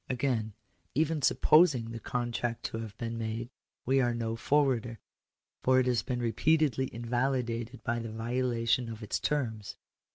Again ; even supposing the contract to have been made, we are no forwarder, for it has been repeatedly invalidated by the violation of its terms.